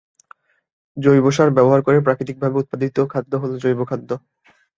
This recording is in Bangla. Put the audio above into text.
জৈব সার ব্যবহার করে প্রাকৃতিকভাবে উৎপাদিত খাদ্য হল জৈব খাদ্য।